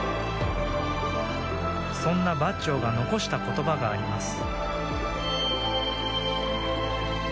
そんなバッジョが残した言葉があります。